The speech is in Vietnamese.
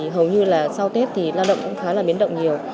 hầu như là sau tết thì lao động cũng khá là biến động nhiều